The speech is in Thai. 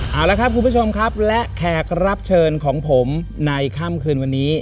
เอาละครับคุณผู้ชมครับและแขกรับเชิญของผมในค่ำคืนวันนี้